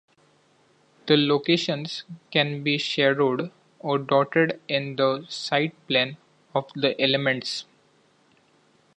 The locations can be shadowed or dotted in the siteplan of the elements.